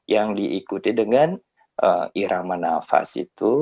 yang diikuti dengan irama nafas itu